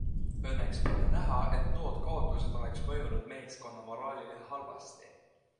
Õnneks pole näha, et nood kaotused oleks mõjunud meeskonna moraalile halvasti.